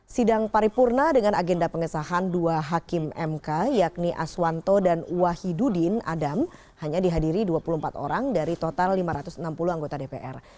sidang paripurna dengan agenda pengesahan dua hakim mk yakni aswanto dan wahidudin adam hanya dihadiri dua puluh empat orang dari total lima ratus enam puluh anggota dpr